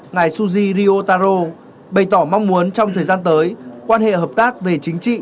ngài suzy ryotaro bày tỏ mong muốn trong thời gian tới quan hệ hợp tác về chính trị